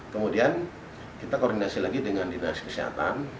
kemudian kita koordinasi lagi dengan dinas kesehatan